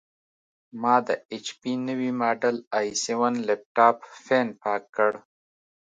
ما د ایچ پي نوي ماډل ائ سیون لېپټاپ فین پاک کړ.